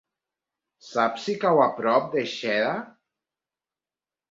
Saps si cau a prop de Xera?